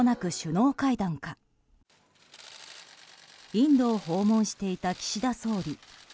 インドを訪問していた岸田総理。